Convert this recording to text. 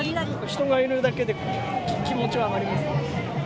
人がいるだけで気持ちは上がりますね。